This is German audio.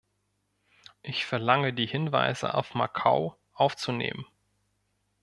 Ich verlange, die Hinweise auf Macau aufzunehmen.